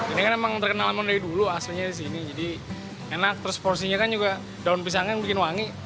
ini kan emang terkenal dari dulu aslinya disini jadi enak terus porsinya kan juga daun pisangnya yang bikin wangi